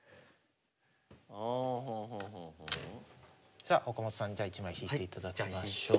さあ岡本さんじゃあ１枚引いていただきましょう。